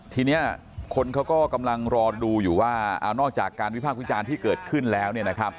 ทีนี้คนเขาก็กำลังรอดูอยู่ว่านอกจากการวิพากษ์วิจารณ์ที่เกิดขึ้นแล้ว